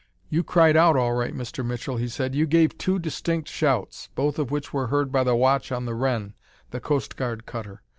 "You cried out all right, Mr. Mitchell," he said. "You gave two distinct shouts, both of which were heard by the watch on the Wren, the Coast Guard cutter.